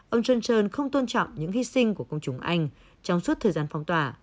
ông johnson không tôn trọng những hy sinh của công chúng anh trong suốt thời gian phong tỏa